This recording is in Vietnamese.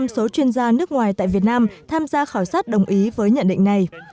bảy mươi bảy số chuyên gia nước ngoài tại việt nam tham gia khảo sát đồng ý với nhận định này